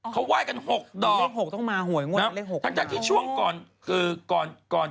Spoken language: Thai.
เขาไหว้กัน๖ดอกทั้งจากที่ช่วงก่อน